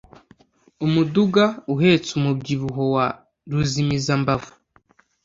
Umuduga uhetse umubyibuho wa ruzimizambavu